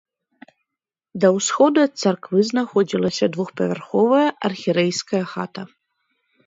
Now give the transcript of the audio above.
Да ўсходу ад царквы знаходзілася двухпавярховая архірэйская хата.